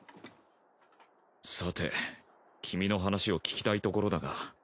さて君の話を聞きたいところだが。